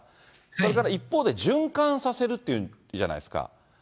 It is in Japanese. それから一方で循環させるっていうじゃないですか。